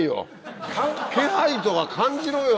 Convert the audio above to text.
気配とか感じろよ